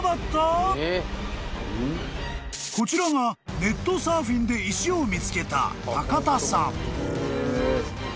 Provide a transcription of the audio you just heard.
［こちらがネットサーフィンで石を見つけた］